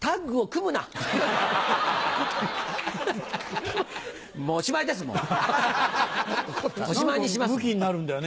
むきになるんだよね